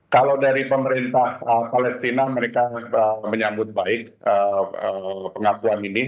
kalau dari pemerintah palestina mereka menyambut baik pengakuan ini